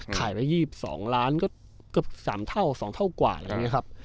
ขายไปยี่สิบสองล้านก็เกือบสามเท่าสองเท่ากว่าอะไรอย่างนี้ครับ